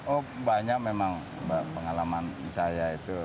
oh banyak memang pengalaman saya itu